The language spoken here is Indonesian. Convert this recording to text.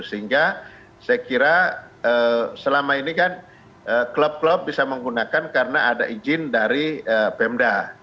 sehingga saya kira selama ini kan klub klub bisa menggunakan karena ada izin dari pemda